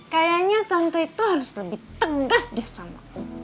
kayaknya tante itu harus lebih tegas deh sama om